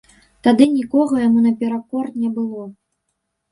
Тады нікога яму наперакор не было.